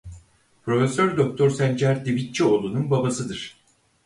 Profesör Doktor Sencer Divitçioğlu'nun babasıdır.